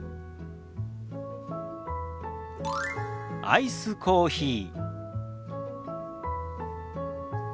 「アイスコーヒー」。